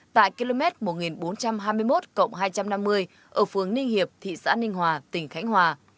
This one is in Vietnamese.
tại km một nghìn bốn trăm hai mươi một hai trăm năm mươi ở phường ninh hiệp thị xã ninh hòa tỉnh khánh hòa